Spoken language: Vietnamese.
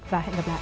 và hẹn gặp lại